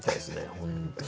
本当に。